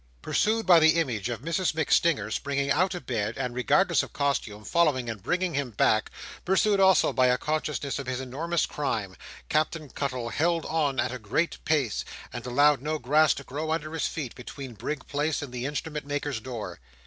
Pursued by the image of Mrs MacStinger springing out of bed, and, regardless of costume, following and bringing him back; pursued also by a consciousness of his enormous crime; Captain Cuttle held on at a great pace, and allowed no grass to grow under his feet, between Brig Place and the Instrument maker's door.